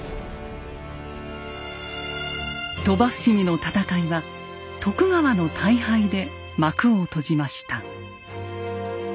鳥羽伏見の戦いは徳川の大敗で幕を閉じました。